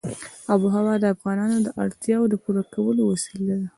آب وهوا د افغانانو د اړتیاوو د پوره کولو وسیله ده.